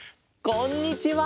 こんにちは。